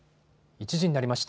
１時になりました。